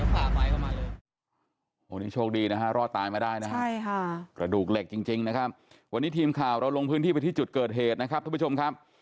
ประดูกเหล็กจริงนะครับวันนี้ทีมข่าวเราลงพื้นที่ไปที่จุดเกิดเหตุนะครับทุกผู้ชมครับ